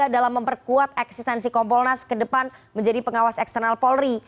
dalam memperkuat eksistensi kompolnas ke depan menjadi pengawas eksternal polri